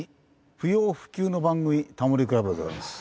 不要不急の番組『タモリ倶楽部』でございます。